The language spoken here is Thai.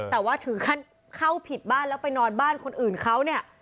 แต่ว่าถึงขั้นเข้าผิดบ้านแล้วไปนอนบ้านคนอื่นเขาเนี่ย